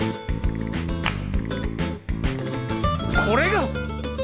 これが！